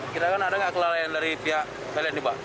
kita kan ada gak kelalaian dari pihak pln nih mbak